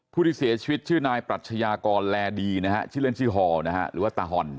ผู้ที่เสียชีวิตชื่อนายปรัชญากรแลดีนะฮะชื่อเล่นชื่อฮอลนะฮะหรือว่าตาห่อน